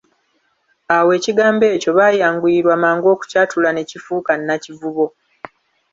Awo ekigambo ekyo baayanguyirwa mangu okukyatula ne kifuuka Nakivubo.